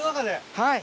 はい。